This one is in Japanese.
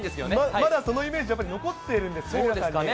まだそのイメージ、残ってるんですかね。